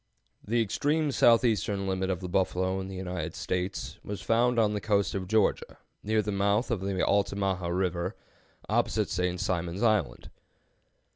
The extreme southeastern limit of the buffalo in the United States was found on the coast of Georgia, near the mouth of the Altamaha River, opposite St. Simon's Island.